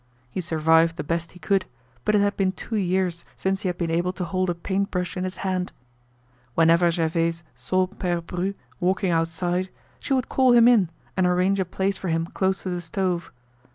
He survived the best he could, but it had been two years since he had been able to hold a paint brush in his hand. Whenever Gervaise saw Pere Bru walking outside, she would call him in and arrange a place for him close to the stove.